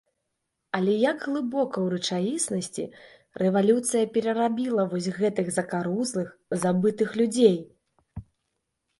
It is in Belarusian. Але як глыбока ў рэчаіснасці рэвалюцыя перарабіла вось гэтых закарузлых, забытых людзей!